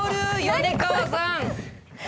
米川さん